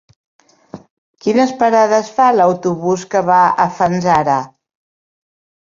Quines parades fa l'autobús que va a Fanzara?